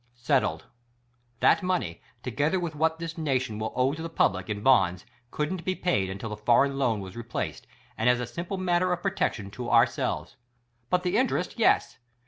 Settled. That money, together wath what this nation will owe to the public, in Bonds, couldn't be paid until the foreign loan was replaced and as a simple matter of protection to ourselves. But the interest, yes.